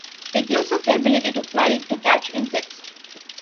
It uses the ability to "fly" to catch insects.